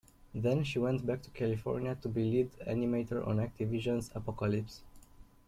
Then she went back to California to be lead animator on Activision's "Apocalypse".